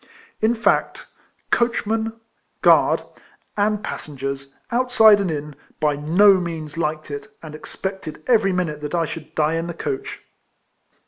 In fact, coachman, guard, and passengers, outside and in, by no means liked it, and expected every minute that I should die in the coach.